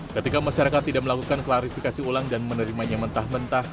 ketika masyarakat tidak melakukan klarifikasi ulang dan menerimanya mentah mentah